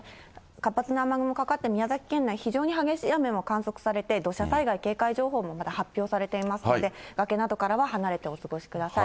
活発な雨雲かかって、宮崎県内、非常に激しい雨も観測されて、土砂災害警戒情報もまた発表されていますので、崖などからは離れてお過ごしください。